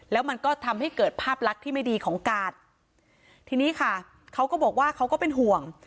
แล้วมันก็ทำให้เกิดภาพลักษณ์ที่ไม่ดีของกาดทีนี้ค่ะเขาก็บอกว่าเขาก็เป็นห่วง